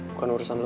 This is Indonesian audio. bukan urusan kamu